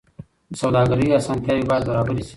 د سوداګرۍ اسانتیاوې باید برابرې شي.